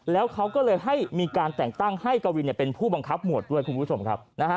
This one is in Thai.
แล้วเขาก็เลยให้มีการแต่งตั้งให้กวินเป็นผู้บังคับหมวดด้วยคุณผู้ชมครับ